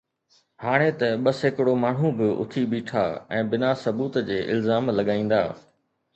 هاڻي ته ٻه سيڪڙو ماڻهو به اٿي بيٺا ۽ بنا ثبوت جي الزام لڳائيندا